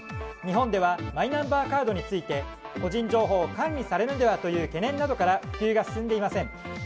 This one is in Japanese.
日本ではマイナンバーカードについて個人情報を管理されるのではとの懸念などから普及が進んでいません。